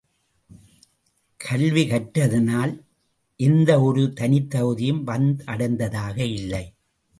கல்வி கற்றதனால் எந்த ஒரு தனித்தகுதியும் வந்தடைந்ததாக இல்லை.